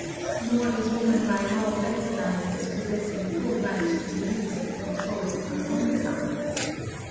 Nor is woman by law recognized as possessing full right to the use and control of her own powers.